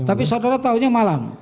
tapi saudara tahunya malam